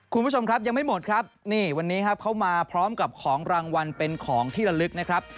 คุณผู้ชมครับยังไม่หมดครับนี่วันนี้ครับเขามาพร้อมกับของรางวัลเป็นของที่ละลึกนะครับ